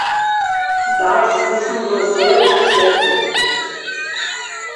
Das wissen wir sehr zu schätzen.